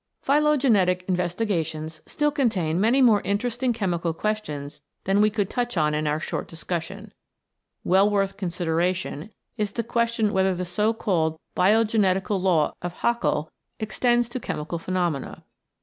Phylogenetic investigations still contain many more interesting chemical questions than we could touch on in our short discussion. Well worth consideration is the question whether the so called 146 CHEMICAL HEREDITY Biogenetical Law of Haeckel extends to chemical phenomena.